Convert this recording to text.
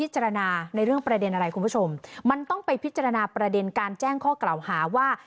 คุณผู้ชมมันต้องไปพิจารณาประเด็นการแจ้งข้อเกล่าหาว่า